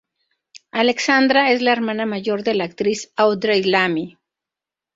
Alexandra es la hermana mayor de la actriz Audrey Lamy.